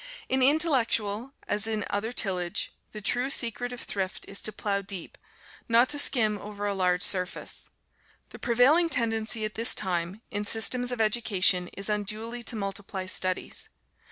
In intellectual, as in other tillage, the true secret of thrift is to plough deep, not to skim over a large surface. The prevailing tendency at this time, in systems of education, is unduly to multiply studies.